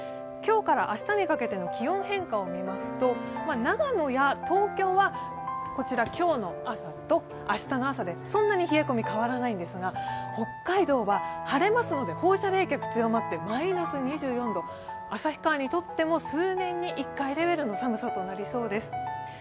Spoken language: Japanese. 今日から明日にかけての気温変化を見ますと長野や東京はこちら今日の朝と明日の朝でそんなに冷え込み変わらないんですが、北海道は晴れますので、放射冷却が強まってマイナス２４度、旭川にとっても数年に１回レベルの寒さとなりそうです。